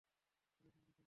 Please তাদের ছেড়ে দাও।